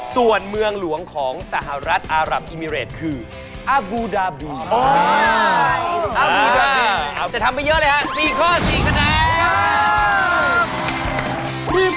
ส่วนเมืองหลวงของสหรัฐอารับอิมิเรตคืออาบูดาบี